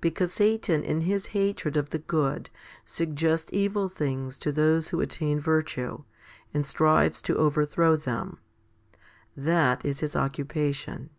Because Satan in his hatred of the good suggests evil things to those who attain virtue, and strives to overthrow them. That is his occupation.